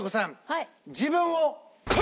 はい。